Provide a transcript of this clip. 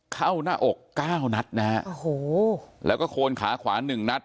เข้าหน้าอกเก้านัดนะฮะโอ้โหแล้วก็โคนขาขวาหนึ่งนัด